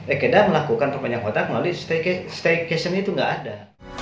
ikeda melakukan perpanjangan kontrak melalui staycation itu tidak ada